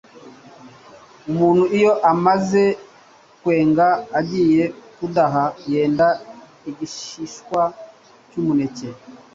Umuntu iyo amaze kwenga agiye kudaha, yenda igishishwa cy’umuneke,